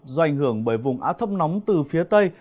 do ảnh hưởng bởi vùng á thấp nóng từ phía tây